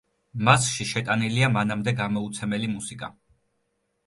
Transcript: მასში შეტანილია მანამდე გამოუცემელი მუსიკა.